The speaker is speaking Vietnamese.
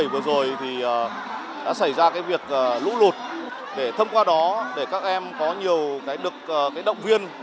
vừa rồi thì đã xảy ra cái việc lũ lụt để thông qua đó để các em có nhiều cái được cái động viên